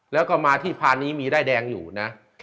แล้วก็มาที่พานนี้มีด้ายแดงอยู่นะ